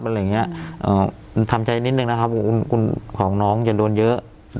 อะไรอย่างนี้ทำใจนิดนึงนะครับของน้องอย่าโดนเยอะ